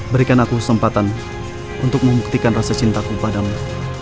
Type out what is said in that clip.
berikan aku kesempatan untuk membuktikan rasa cintaku padamu